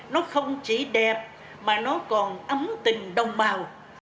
nó không chỉ đẹp mà nó còn ấm tình đồng bào